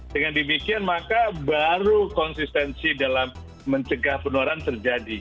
dengan demikian maka baru konsistensi dalam mencegah penularan terjadi